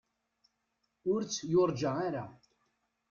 Ur tt-yurǧa ara.